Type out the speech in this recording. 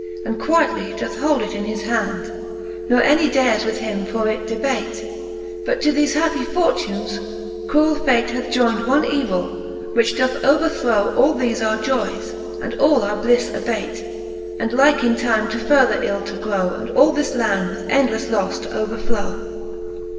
And quietly doth hold it in his hand, Ne any dares with him for it debate. But to thefe happie fortunes cruell fate Hath joyn'd one evill, which doth overthrow All thefe our joyes, and all our blifle abate ; And like in time to further ill to grow, ^nd all this land with endleffe lofle to overflow.